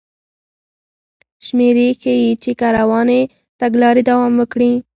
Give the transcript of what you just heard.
شمېرې ښيي چې که روانې تګلارې دوام وکړي